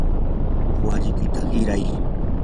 walikiyta hiray.